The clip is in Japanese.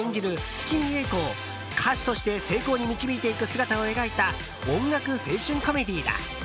月見英子を歌手として成功に導いていく姿を描いた音楽青春コメディーだ。